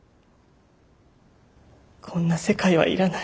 こんな世界はいらない。